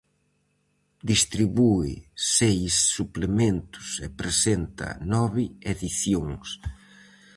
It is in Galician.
Distribúe seis suplementos e presenta nove edicións.